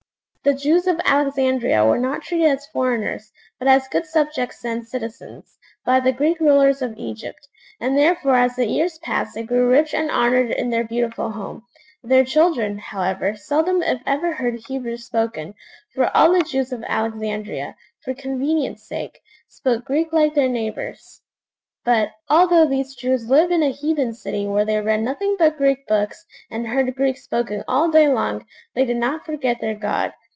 The Jews of Alexandria were not treated as foreigners, but as good subjects and citizens, by the Greek rulers of Egypt, and therefore as the years passed they grew rich and honoured in their beautiful home. Their children, however, seldom if ever heard Hebrew spoken; for all the Jews of Alexandria, for convenience' sake, spoke Greek like their neighbours. But, although these Jews lived in a heathen city where they read nothing but Greek books, and heard Greek spoken all day long, they did not forget their God.